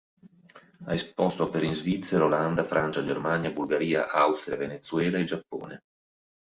Ha esposto opere in Svizzera, Olanda, Francia, Germania, Bulgaria, Austria, Venezuela e Giappone.